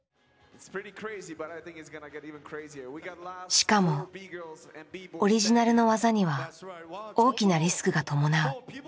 しかもオリジナルの技には大きなリスクが伴う。